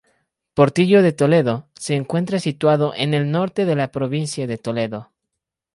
Portillo de Toledo se encuentra situado en el norte de la provincia de Toledo.